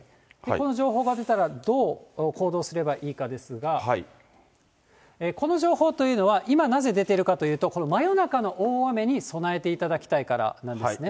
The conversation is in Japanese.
この情報が出たら、どう行動すればいいかですが、この情報というのは、今、なぜ出ているかというと、真夜中の大雨に備えていただきたいからなんですね。